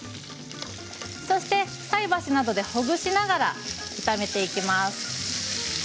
そして菜箸などでほぐしながら炒めていきます。